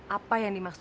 apa yang di rumput ini